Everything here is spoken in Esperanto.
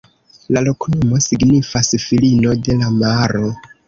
La loknomo signifas: filino de la maro.